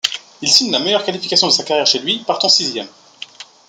Il signe la meilleure qualification de sa carrière chez lui, partant sixième.